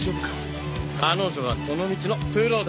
彼女はこの道のプロですよ。